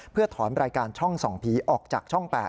เพื่อถอนรายการช่องส่องผีออกจากช่อง๘